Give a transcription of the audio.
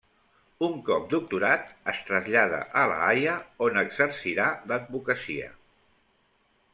Un cop doctorat es trasllada a La Haia on exercirà d'advocacia.